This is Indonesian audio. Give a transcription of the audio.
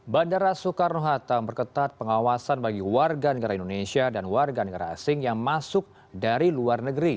bandara soekarno hatta memperketat pengawasan bagi warga negara indonesia dan warga negara asing yang masuk dari luar negeri